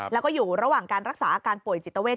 แล้วก็อยู่ระหว่างการรักษาอาการป่วยจิตเวท